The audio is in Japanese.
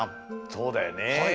そうだよね。